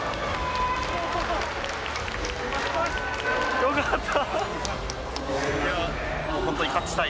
よかった！